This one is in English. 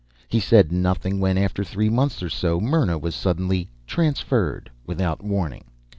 He said nothing when, after three months or so, Myrna was suddenly "transferred" without warning.